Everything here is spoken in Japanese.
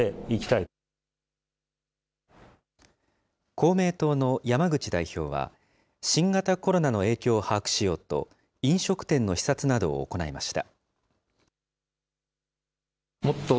公明党の山口代表は、新型コロナの影響を把握しようと、飲食店の視察などを行いました。